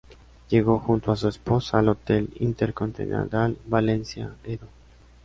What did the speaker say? Llegó junto a su esposa al Hotel Intercontinental Valencia Edo.